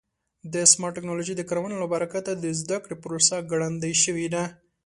د سمارټ ټکنالوژۍ د کارونې له برکته د زده کړې پروسه ګړندۍ شوې ده.